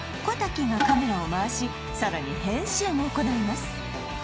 小瀧がカメラを回しさらに編集も行います